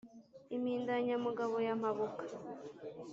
Impindanyamugabo ya Mpabuka,